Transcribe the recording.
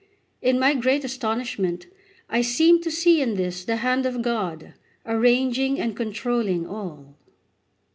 In my great astonishment I seemed to see in this the hand of God arranging and controlling all.